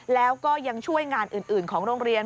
แล้วก็ยังช่วยงานอื่นของโรงเรียน